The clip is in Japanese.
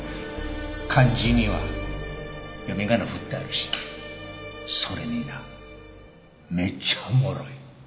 漢字には読みがな振ってあるしそれになめっちゃおもろい。